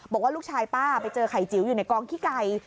บอกว่าลูกชายป้าไปเจอไข่จิ๋วอยู่ในกองขี้ไก่